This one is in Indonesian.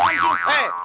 lu berani sama gua